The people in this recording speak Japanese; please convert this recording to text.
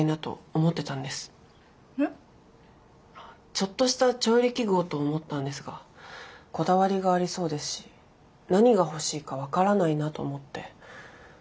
ちょっとした調理器具をと思ったんですがこだわりがありそうですし何が欲しいか分からないなと思って。